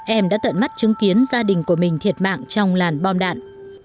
em đã tận mắt chứng kiến gia đình của mình thiệt mạng trong làn bom đạn